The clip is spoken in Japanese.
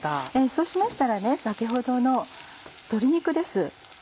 そうしましたら先ほどの鶏肉です。